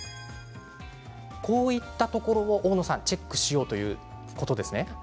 こういったところを大野さんチェックしようということなんですね。